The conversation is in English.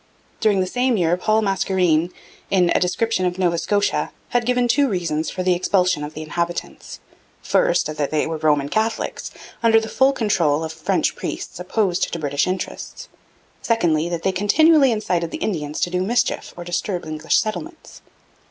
During the same year Paul Mascarene, in 'A Description of Nova Scotia,' had given two reasons for the expulsion of the inhabitants: first, that they were Roman Catholics, under the full control of French priests opposed to British interests; secondly, that they continually incited the Indians to do mischief or disturb English settlements.